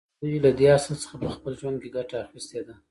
دوی له دې اصل څخه په خپل ژوند کې ګټه اخیستې ده